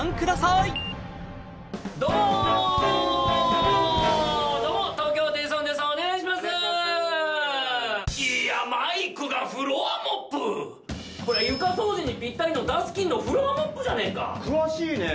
いやマイクがフロアモップこれ床掃除にぴったりのダスキンのフロアモップじゃねえか詳しいね